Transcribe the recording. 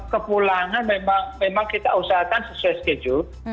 kepulangan memang kita usahakan sesuai schedule